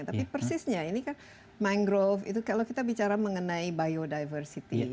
tapi persisnya ini kan mangrove itu kalau kita bicara mengenai biodiversity